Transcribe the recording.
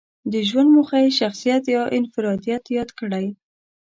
د ژوند موخه یې شخصيت يا انفراديت ياد کړی.